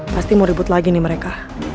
pasti mau ribut lagi nih mereka